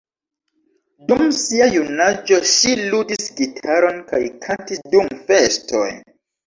Dum sia junaĝo ŝi ludis gitaron kaj kantis dum festoj.